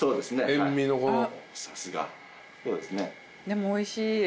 でもおいしい。